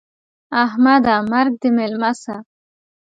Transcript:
احمده! مرګ دې مېلمه سه.